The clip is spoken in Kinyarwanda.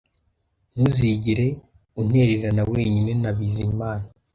Ntuzigere untererana wenyine na Bizimana